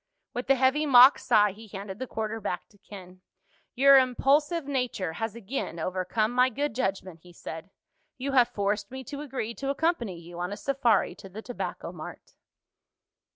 With a heavy mock sigh he handed the quarter back to Ken. "Your impulsive nature has again overcome my good judgment," he said. "You have forced me to agree to accompany you on a safari to the Tobacco Mart."